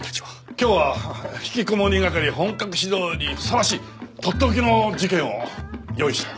今日はひきこもり係本格始動にふさわしいとっておきの事件を用意したよ。